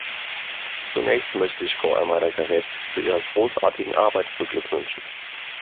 Zunächst möchte ich Frau Almeida Garrett zu ihrer großartigen Arbeit beglückwünschen.